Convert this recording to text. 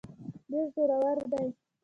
ډېر زورور دی.